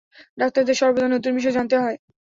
ডাক্তারের সর্বদা নতুন বিষয় জানতে হয়।